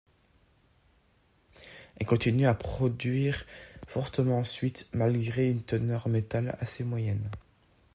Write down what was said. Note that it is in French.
Elle continue à produire fortement ensuite, malgré une teneur en métal assez moyenne.